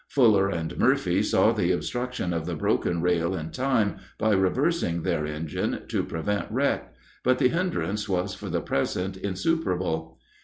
Fuller and Murphy saw the obstruction of the broken rail in time, by reversing their engine, to prevent wreck, but the hindrance was for the present insuperable.